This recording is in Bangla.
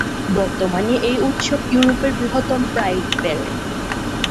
বর্তমানে এই উৎসব ইউরোপের বৃহত্তম প্রাইড প্যারেড।